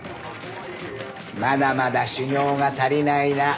まだまだ修行が足りないな。